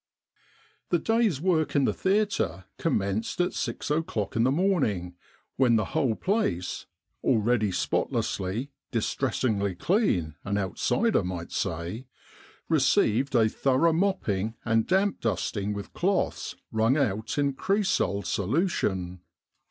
" The day's work in the theatre commenced at six o'clock in the morning, when the whole place already spotlessly, distressingly clean, an outsider might say received a thorough mopping and damp dusting with cloths wrung out in cresol solution.